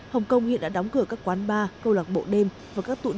hồng kông hiện đã đóng cửa các quán bar câu lạc bộ đêm và các tụ điểm